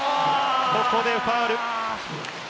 ここでファウル。